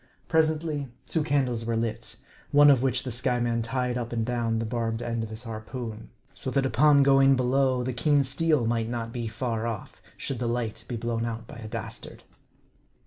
Presently, two candles were lit ; one of which the Skyeman tied up and down the barbed end of his harpoon ; so that upon going below, the keen 76 MAUD I. steel might not be far off, should the light be blown out by a dastard.